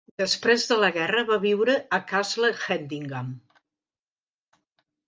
Després de la guerra va viure a Castle Hedingham.